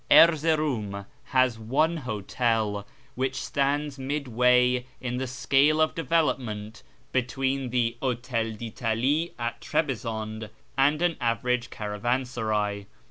Erzerouni lias one hotel, which stands midway in the scale of development between the Hotel d'ltalie at Trebizonde and an average caravansaray.